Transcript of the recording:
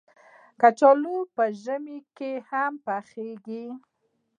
کچالو په ژمي کې هم پخېږي